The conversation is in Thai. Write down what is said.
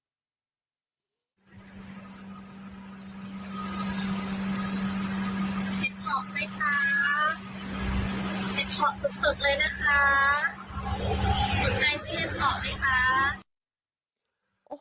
หลุดใจพี่เห็นผอดด้วยคะ